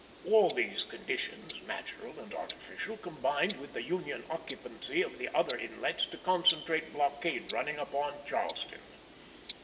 All these conditions, natural and artificial, combined with the Union occupancy of the other inlets to concentrate blockade running upon Charleston.